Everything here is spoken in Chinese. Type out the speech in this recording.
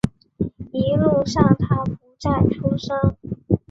一路上他不再出声